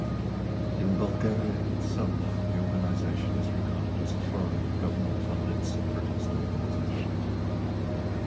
In Bulgaria itself the organization is regarded as a foreign government-funded separatist organization.